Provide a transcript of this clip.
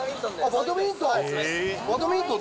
バドミントン？